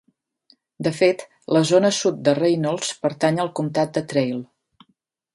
De fet, la zona sud de Reynolds pertany al comtat de Traill.